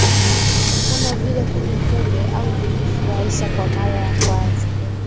kama vile kunywa pombe au kujifurahisha kwa mara ya kwanza